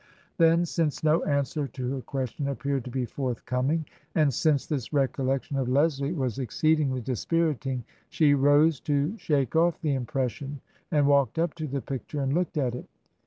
Then, since no answer to her question appeared to be forthcoming and since this recollection of Leslie was exceedingly disspiriting, she rose to shake off the impression, and walked up to the picture and looked at it.